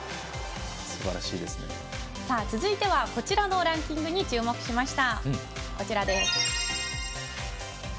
続いてはこちらのランキングに注目しました。